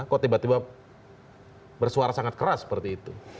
kok tiba tiba bersuara sangat keras seperti itu